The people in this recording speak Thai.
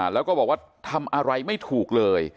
แล้วก็บอกว่าทำอะไรไม่ถูกเลย